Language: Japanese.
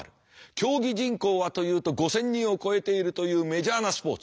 競技人口はというと５，０００人を超えているというメジャーなスポーツ。